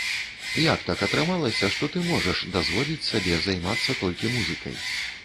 Як так атрымалася, што ты можаш дазволіць сабе займацца толькі музыкай?